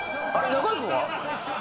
中居君は？